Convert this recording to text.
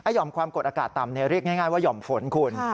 หอมความกดอากาศต่ำเรียกง่ายว่าห่อมฝนคุณ